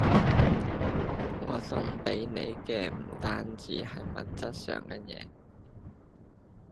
我送畀你嘅唔單止係物質上嘅嘢